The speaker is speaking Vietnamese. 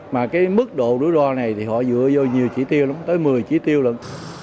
mà cái mức độ rủi ro này thì họ dựa vô nhiều trí tiêu lắm tới một mươi trí tiêu lắm